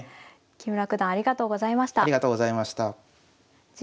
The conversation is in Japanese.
木村九段ありがとうございました。